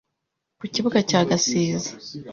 ku kibuga cya Gasiza